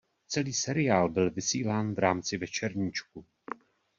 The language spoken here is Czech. Celý seriál byl vysílán v rámci "Večerníčku".